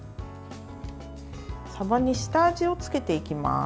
さばに下味をつけていきます。